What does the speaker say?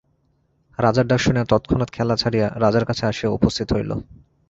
রাজার ডাক শুনিয়া তৎক্ষণাৎ খেলা ছাড়িয়া রাজার কাছে আসিয়া উপস্থিত হইল।